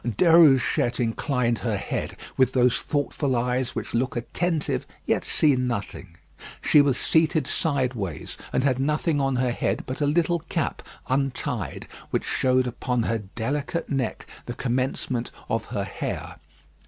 Déruchette inclined her head, with those thoughtful eyes which look attentive yet see nothing. She was seated sideways, and had nothing on her head but a little cap untied, which showed upon her delicate neck the commencement of her hair.